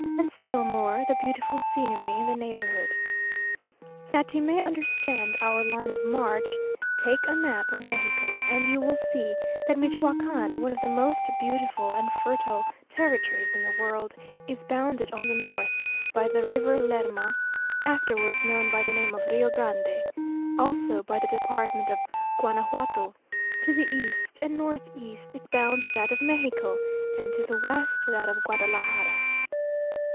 and still more, the beautiful scenery in the neighbourhood. That you may understand our line of march, take a map of Mexico, and you will see that Michoacán, one of the most beautiful and fertile territories in the world, is bounded on the north by the river Lerma, afterwards known by the name of Rio Grande; also by the department of Guanajuato; to the east and north east it bounds that of Mexico, and to the west, that of Guadalajara.